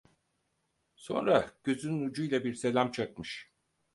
Sonra gözünün ucuyla bir selam çakmış.